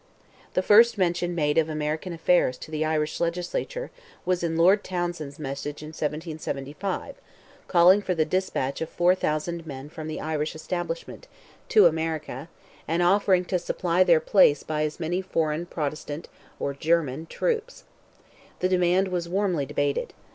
The first mention made of American affairs to the Irish legislature, was in Lord Townsend's message in 1775, calling for the despatch of 4,000 men from the Irish establishment, to America, and offering to supply their place by as many foreign Protestant (German) troops. The demand was warmly debated.